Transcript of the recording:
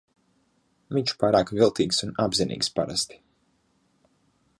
Viņš pārāk viltīgs un apzinīgs parasti.